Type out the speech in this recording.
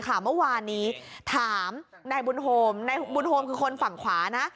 เมื่อวานนี้ถามนายบุญโฮมนายบุญโฮมคือคนฝั่งขวานะ